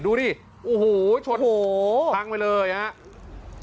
ดูดิโอโหโอโหห่างไปเลยอ่ะเนี่ย